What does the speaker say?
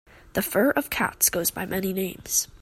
The fur of cats goes by many names.